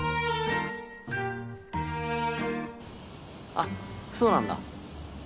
あっそうなんだ。